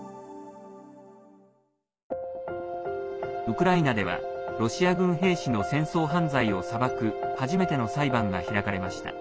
ウクライナではロシア軍兵士の戦争犯罪を裁く初めての裁判が開かれました。